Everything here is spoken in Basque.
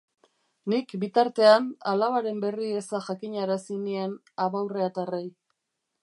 Nik, bitartean, alabaren berri eza jakinarazi nien abaurretarrei.